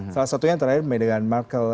salah satunya terakhir dengan markle